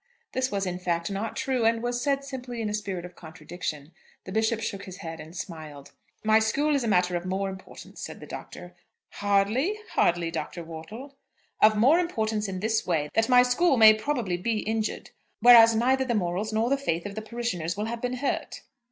This was, in fact, not true, and was said simply in a spirit of contradiction. The Bishop shook his head and smiled. "My school is a matter of more importance," said the Doctor. "Hardly, hardly, Dr. Wortle." "Of more importance in this way, that my school may probably be injured, whereas neither the morals nor the faith of the parishioners will have been hurt."